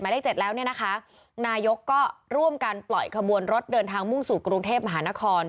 เลขเจ็ดแล้วเนี่ยนะคะนายกก็ร่วมกันปล่อยขบวนรถเดินทางมุ่งสู่กรุงเทพมหานคร